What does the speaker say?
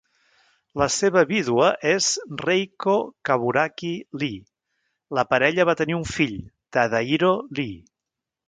La seva vídua és Reiko Kaburaki Lee. La parella va tenir un fill, Tadahiro Lee.